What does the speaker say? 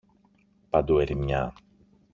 Παντού ερημιά.